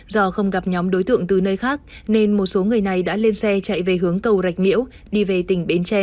do không gặp nhóm đối tượng từ nơi khác nên một số người này đã lên xe chạy về hướng cầu rạch miễu đi về tỉnh bến tre